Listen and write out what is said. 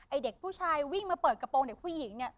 เด็กผู้ชายวิ่งมาเปิดกระโปรงเด็กผู้หญิงเนี่ย